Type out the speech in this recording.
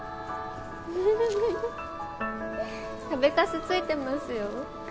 フフフフ食べカスついてますよ。